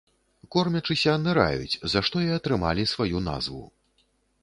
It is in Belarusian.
Кормячыся, ныраюць, за што і атрымалі сваю назву.